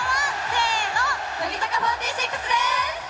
せーの、乃木坂４６です。